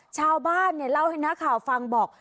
ชาวบ้านเนี่ยเล่าให้นักข่าวฟังบอก